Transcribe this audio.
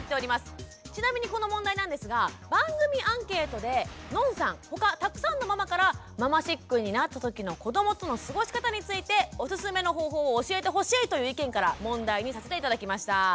ちなみにこの問題なんですが番組アンケートでのんさん他たくさんのママからママシックになった時の子どもとの過ごし方についておすすめの方法を教えてほしいという意見から問題にさせて頂きました。